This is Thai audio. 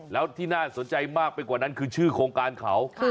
แล้วที่น่าสนใจมากไปกว่านั้นคือชื่อโครงการเขา